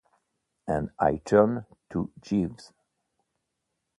And I turned to Jeeves.